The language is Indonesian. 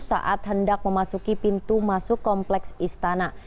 saat hendak memasuki pintu masuk kompleks istana